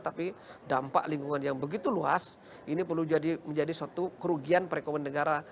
tapi dampak lingkungan yang begitu luas ini perlu menjadi suatu kerugian perekonomian negara